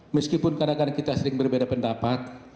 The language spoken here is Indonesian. meskipun kadang kadang kita sering berbeda pendapat